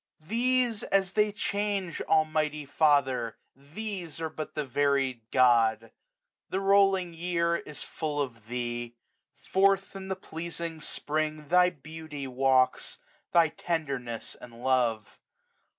These, as they change, Almighty Father ! these. Are but the varied God. The rolling year h full of Thee. Forth i;i the pleasing Spring Thy beauty walks, thy tenderness and love.